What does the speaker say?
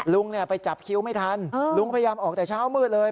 ลุงไปจับคิวไม่ทันลุงพยายามออกแต่เช้ามืดเลย